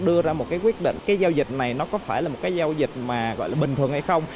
đưa ra một cái quyết định cái giao dịch này nó có phải là một cái giao dịch mà gọi là bình thường hay không